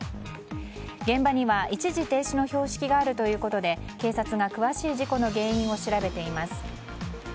現場には、一時停止の標識があるということで警察が詳しい事故の原因を調べています。